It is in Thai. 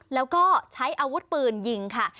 แล้วก็ใช้อาวุธปืนยิงค่ะ